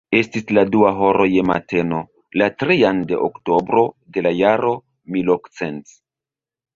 Estis la dua horo je mateno, la trian de oktobro de la jaro milokcent..